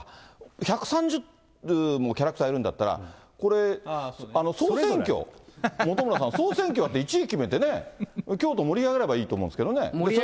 １３０もキャラクターいるんだったら、これ、総選挙、本村さん、総選挙やって、１位決めてね、京都盛り上げればいいと思うんですけどね。